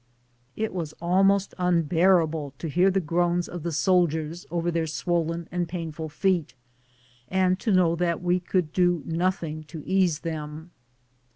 It was almost unbearable to hear the groans of the soldiers over their swollen and painful feet, and know that we could do nothing to ease them.